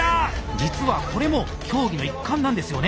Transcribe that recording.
実はこれも競技の一環なんですよね？